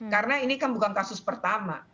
karena ini kan bukan kasus pertama